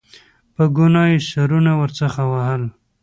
په ګناه یې سرونه ورڅخه وهل.